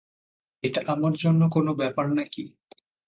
এটা আমার জন্য কোনো ব্যাপার নাকি।